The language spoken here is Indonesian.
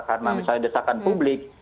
karena misalnya desakan publik